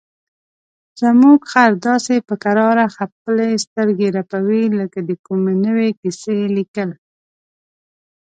زموږ خر داسې په کراره خپلې سترګې رپوي لکه د کومې نوې کیسې لیکل.